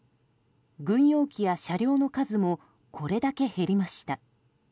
軍用機や車両の数もこれだけ減りました。